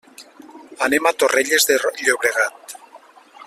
Anem a Torrelles de Llobregat.